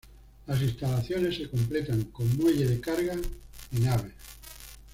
Las instalaciones se completan con muelles de carga y naves.